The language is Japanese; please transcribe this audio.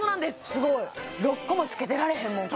すごい６個もつけてられへんもん